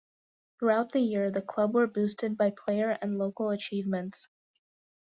Throughout the year the club were boosted by player and local achievements.